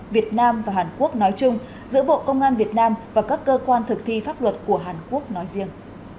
việt nam và hàn quốc nói chung giữa bộ công an việt nam và các cơ quan thực thi pháp luật của hàn quốc nói riêng